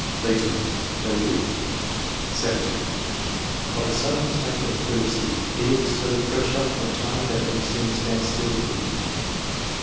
Leigh ton, d. set. 70 of a sudden attack of pleurisy. He looked so fresh up to that time DITINES that age seemed to stand still with him.